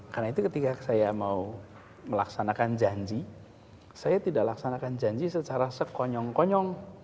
karena itu ketika saya mau melaksanakan janji saya tidak laksanakan janji secara sekonyong konyong